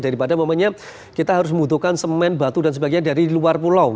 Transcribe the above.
daripada kita harus membutuhkan semen batu dan sebagainya dari luar pulau